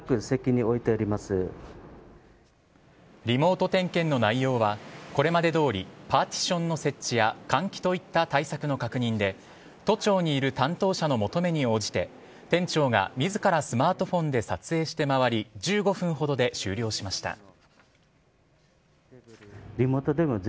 リモート点検の内容はこれまでどおりパーティションの設置や換気といった対策の確認で都庁にいる担当者の求めに応じて店長が自らスマートフォンで撮影して回り１５分ほどで終了しました。